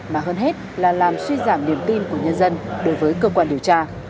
mà hơn hết là làm suy giảm niềm tin của nhân dân đối với cơ quan điều tra